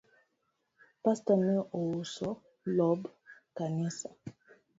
Pastor ne ouso lob kanisa